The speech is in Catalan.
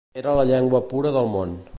Era la llengua pura del món.